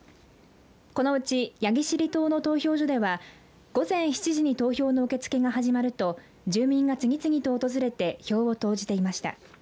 このうち焼尻島の投票所では午前７時に投票の受け付けが始まると住民が次々と訪れて票を投じていました。